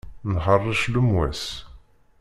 Nḥeṛṛec lemwas.